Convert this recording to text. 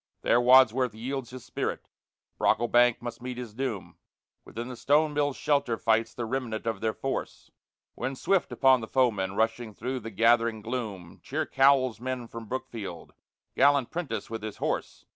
There Wadsworth yields his spirit, Brocklebank must meet his doom; Within the stone mill's shelter fights the remnant of their force; When swift upon the foemen, rushing through the gathering gloom, Cheer Cowell's men from Brookfield, gallant Prentice with his horse!